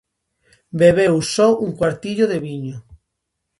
Bebeu só un cuartillo de viño.